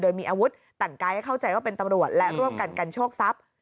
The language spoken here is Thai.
โดยมีอาวุธแต่งกายให้เข้าใจว่าเป็นตำรวจและร่วมกันกันโชคทรัพย์